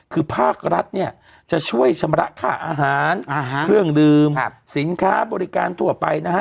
คือภาครัฐเนี่ยจะช่วยชำระค่าอาหารเครื่องดื่มสินค้าบริการทั่วไปนะฮะ